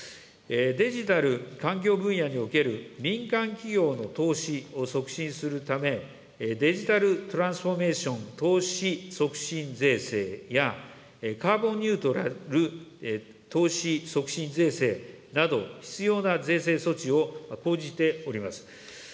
デジタル環境分野における民間企業の投資を促進するため、デジタルトランスフォーメーション投資促進税制や、カーボンニュートラル投資促進税制など、必要な税制措置を講じております。